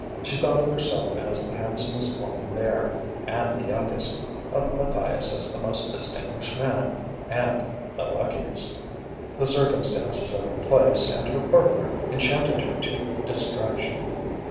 She thought of herself as the handsomest woman there, and the youngest, of Matthias as the most distinguished man and the luckiest. The circumstances of the place and her partner enchanted her to distraction.